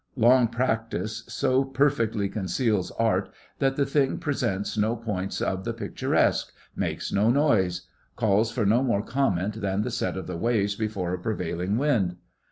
Long practice so perfectly conceals Art that the thing presents no points of the picturesque; makes no noise; calls for no more comment than the set of the waves before a prevailing wind.